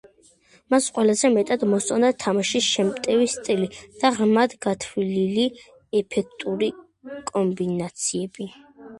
მას ყველაზე მეტად მოსწონდა თამაშის შემტევი სტილი და ღრმად გათვლილი, ეფექტური კომბინაციები.